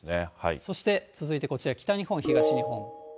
そして続いてこちら、北日本、東日本。